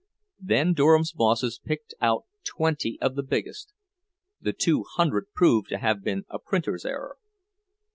Then Durham's bosses picked out twenty of the biggest; the "two hundred" proved to have been a printer's error.